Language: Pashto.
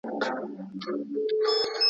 بیا د شتمنۍ په لټه کې شو.